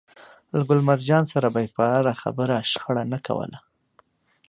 له ګل مرجان سره به يې پر هره خبره شخړه نه کوله.